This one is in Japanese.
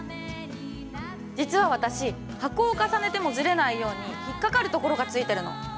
実は私箱を重ねてもずれないように引っかかるところがついてるの。